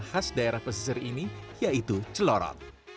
khas daerah pesisir ini yaitu celorot